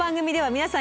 皆さん